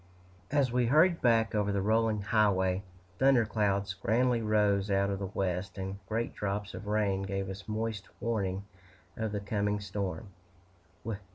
As we hurried back over the rolling highway, thunder clouds grandly rose out of the west, and great drops of rain gave us moist warning of the coming storm.